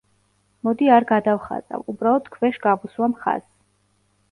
მოდი არ გადავხაზავ, უბრალოდ ქვეშ გავუსვამ ხაზს.